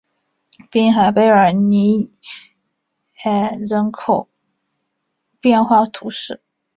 滨海贝尔尼埃人口变化图示